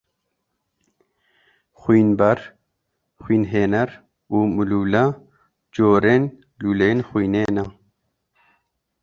Xwînber, xwînhêner û mûlûle corên lûleyên xwînê ne.